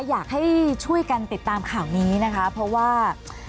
อยากให้ช่วยกันติดตามข่าวนี้นะคะเพราะว่า